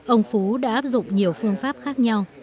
ông phú đã áp dụng nhiều phương pháp khác nhau